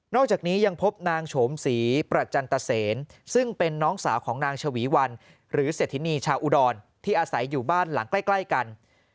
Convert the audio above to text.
อกจากนี้ยังพบนางโฉมศรีประจันตเซนซึ่งเป็นน้องสาวของนางชวีวันหรือเศรษฐินีชาวอุดรที่อาศัยอยู่บ้านหลังใกล้กัน